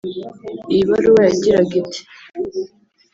Iyi baruwa yagiraga iti